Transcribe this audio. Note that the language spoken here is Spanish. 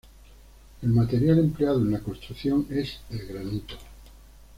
El material empleado en la construcción es el granito.